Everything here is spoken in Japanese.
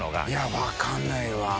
分かんないわ。